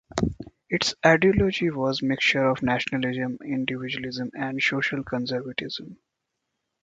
Its ideology was a mixture of nationalism, individualism, and social conservatism.